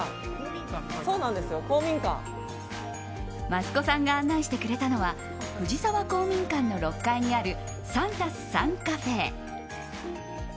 益子さんが案内してくれたのは藤沢公民館の６階にある３＋３ＣＡＦＥ。